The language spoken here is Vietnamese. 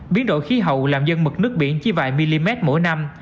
biến độ khí hậu làm dân mực nước biển chi vài mm mỗi năm